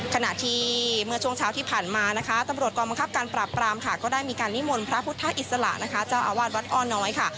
ขณะที่เมื่อช่วงเช้าที่ผ่านมานะคะตำรวจกองบังคับการปราบปรามค่ะก็ได้มีการนิมนต์พระพุทธอิสระนะคะเจ้าอาวาสวัดอ้อน้อยค่ะ